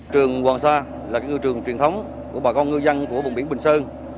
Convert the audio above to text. trường hoàng sa là ngư trường truyền thống của bà con ngư dân của vùng biển bình sơn